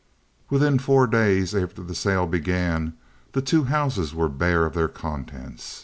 Within four days after the sale began the two houses were bare of their contents.